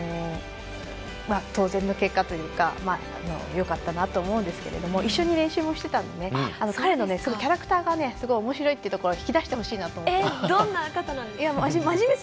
当然の結果というかよかったなと思うんですけれども一緒に練習もしてたので彼の、キャラクターがおもしろいってところを引き出してほしいなと思います。